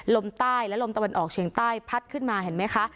ลมใต้และลมตะวันออกเฉียงใต้พัดขึ้นมาเห็นไหมคะ